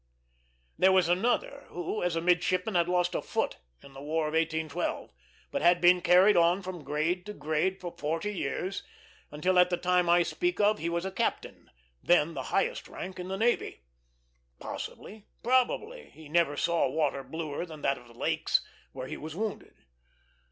There was another who, as a midshipman, had lost a foot in the War of 1812, but had been carried on from grade to grade for forty years, until at the time I speak of he was a captain, then the highest rank in the navy. Possibly, probably, he never saw water bluer than that of the lakes, where he was wounded.